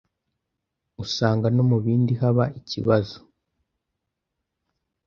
usanga no mu bindi haba ikibazo